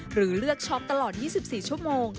หรือเลือกช็อปตลอด๒๔ชั่วโมง